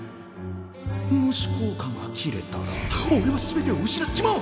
もし効果が切れたらおれは全てを失っちまう。